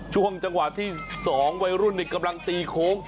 ช่วงจังหวะที่๒วัยรุ่นกำลังตีโค้ง